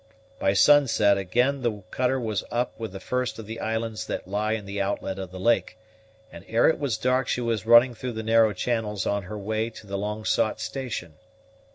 By sunset again the cutter was up with the first of the islands that lie in the outlet of the lake; and ere it was dark she was running through the narrow channels on her way to the long sought station.